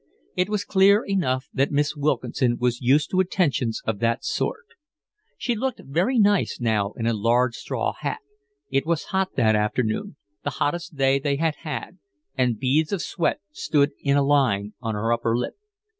It was clear enough that Miss Wilkinson was used to attentions of that sort. She looked very nice now in a large straw hat: it was hot that afternoon, the hottest day they had had, and beads of sweat stood in a line on her upper lip.